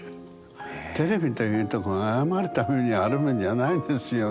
テレビというとこが謝るためにあるもんじゃないんですよね。